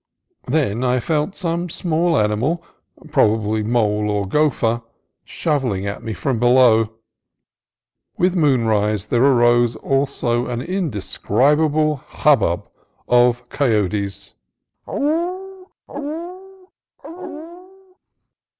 Then I felt some small animal, probably mole or gopher, shov ing at me from below. With moonrise there arose also an indescribable hubbub of coyotes.